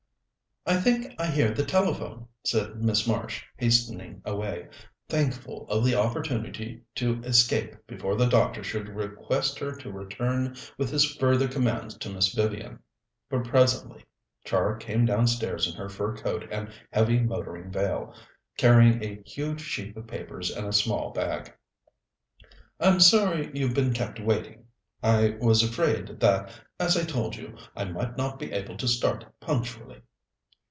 "I think I hear the telephone," said Miss Marsh, hastening away, thankful of the opportunity to escape before the doctor should request her to return with his further commands to Miss Vivian. But presently Char came downstairs in her fur coat and heavy motoring veil, carrying a huge sheaf of papers and a small bag. "I'm sorry you've been kept waiting. I was afraid that, as I told you, I might not be able to start punctually."